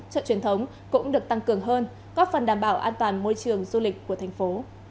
chợ truyền thống cũng được tăng cường hơn có phần đảm bảo an toàn môi trường du lịch của thành phố